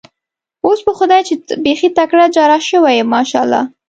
خو اوس په خدای چې بېخي تکړه جراح شوی یم، ماشاءالله.